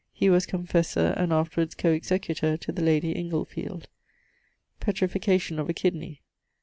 He was confessor, and afterwards co executor, to the lady Inglefield. _Petrification of a kidney.